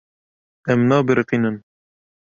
Em nabiriqînin.